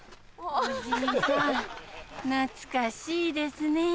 おじいさん懐かしいですねぇ。